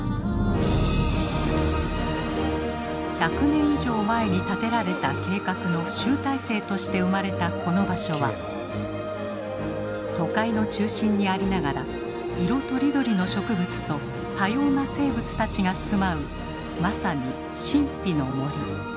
１００年以上前に立てられた計画の集大成として生まれたこの場所は都会の中心にありながら色とりどりの植物と多様な生物たちが住まうまさに神秘の森。